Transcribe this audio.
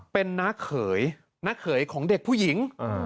เป็นน้าเขยน้าเขยของเด็กผู้หญิง